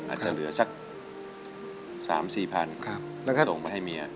อาจจะเหลือสัก๓๔๐๐๐ส่งมาให้เมีย